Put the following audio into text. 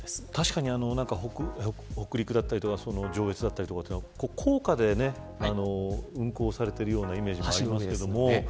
確かに北陸だったり上越だったり高架で運行されているイメージがあります。